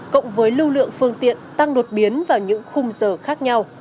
cộng với lưu lượng phương tiện tăng đột biến vào những khung giờ khác nhau